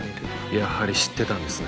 やはり知ってたんですね。